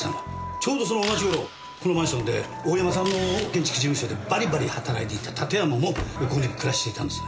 ちょうどその同じ頃このマンションで大山さんの建築事務所でバリバリ働いていた館山もここに暮らしていたんですね。